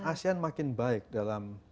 asean makin baik dalam